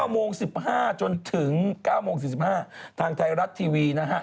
๙โมง๑๕จนถึง๙โมง๔๕ทางไทยรัฐทีวีนะฮะ